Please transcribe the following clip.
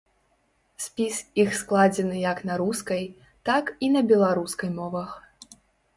Спіс іх складзены як на рускай, так і на беларускай мовах.